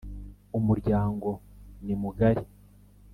umuryango ni mugari.